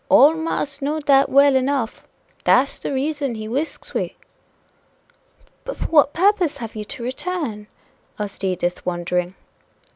Ole marse know dat well enough dat's de reason he resks we." "But for what purpose have you to return?" asked Edith, wondering.